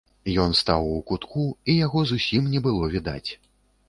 Ён стаў у кутку, і яго зусім не было відаць.